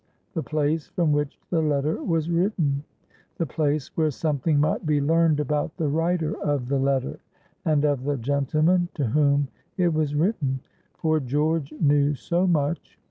The place from which the letter was written. The place where something might be learned about the writer of the letter, and of the gentleman to whom it was written. For George knew so much.